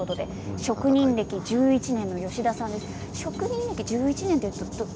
職人歴１１年の吉田さんです。